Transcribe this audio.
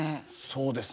そうですね。